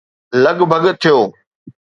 لڳ ڀڳ ٿيو